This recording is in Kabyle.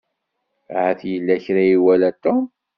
Ahat yella kra i iwala Tom.